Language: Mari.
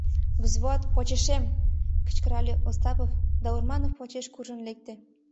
— Взвод, почешем! — кычкырале Остапов да Урманов почеш куржын лекте.